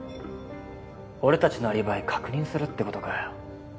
俺たちのアリバイ確認するってことかよ？